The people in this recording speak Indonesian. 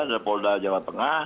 ada polda jawa tengah